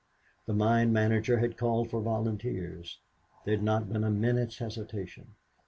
The mine manager had called for volunteers. There had not been a minute's hesitation.